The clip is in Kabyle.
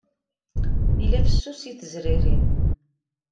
Yella fessus i tezrirt.